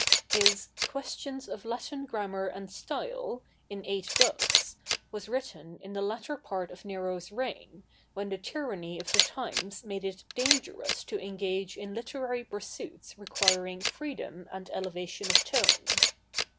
His 'Questions of Latin Grammar and Style,' in eight books, was written in the latter part of Nero's reign, when the tyranny of the times made it dangerous to engage in literary pursuits requiring freedom and elevation of tone.